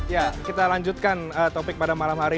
ya kita lanjutkan topik pada malam hari